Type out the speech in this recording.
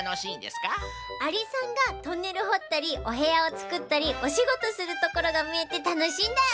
アリさんがトンネルほったりおへやをつくったりおしごとするところがみえてたのしいんだよ。